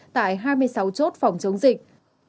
tại hai mươi sáu chốt phòng chống dịch